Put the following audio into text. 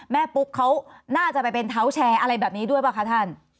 ปุ๊กเขาน่าจะไปเป็นเท้าแชร์อะไรแบบนี้ด้วยป่ะคะท่าน